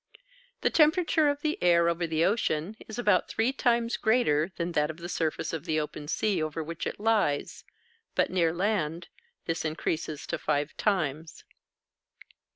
The temperature of the air over the ocean is about three times greater than that of the surface of the open sea over which it lies; but, near land, this increases to five times.